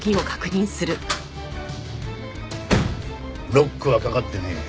ロックはかかってねえ。